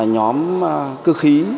nhóm cơ khí